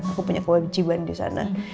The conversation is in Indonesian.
aku punya kewajiban disana